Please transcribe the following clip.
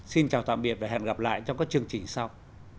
xin chào tạm biệt và hẹn gặp lại trong các chương trình sau